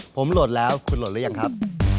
ผมโหลดแล้วคุณโหลดหรือยังครับ